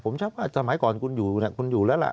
ผมชอบว่าสมัยก่อนคุณอยู่คุณอยู่แล้วล่ะ